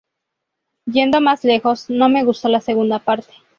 Yendo más lejos: "No me gustó la segunda parte.